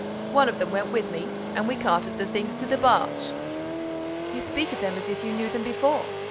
One of them went with me and we carted the things to the barge." "You speak of them as if you knew them before."